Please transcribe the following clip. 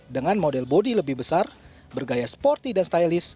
dengan model bodi lebih besar bergaya sporty dan stylist